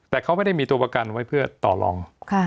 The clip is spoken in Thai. แต่เขาไม่ได้มีตัวประกันไว้เพื่อต่อลอง